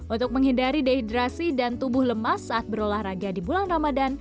untuk menghindari dehidrasi dan tubuh lemas saat berolahraga di bulan ramadan